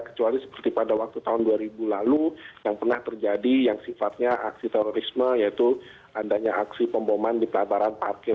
kecuali seperti pada waktu tahun dua ribu lalu yang pernah terjadi yang sifatnya aksi terorisme yaitu adanya aksi pemboman di pelabaran parkir